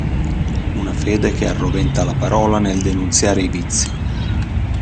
Una fede che arroventa la parola nel denunziare i vizi.